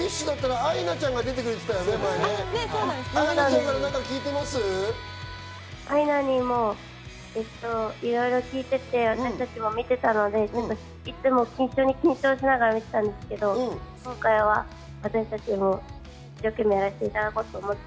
アイナにもいろいろ聞いていて、私も見ていたので、いつも一緒に緊張しながら見ていたんですけど、今回は私たちがやらせていただこうと思って。